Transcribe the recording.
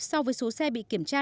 so với số xe bị kiểm tra